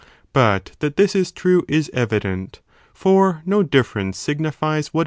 But that this is true is evident, for no difference signifies what !